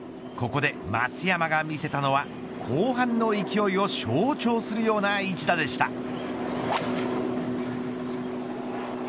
ここで松山が見せたのは後半の勢いを象徴するような一打でした。